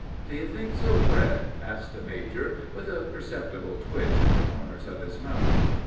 "Do you think so, Fred?" asked the major, with a perceptible twitch at the corners of his mouth.